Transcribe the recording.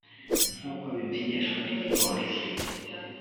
nk'uko bimenyeshwa n'igipolisi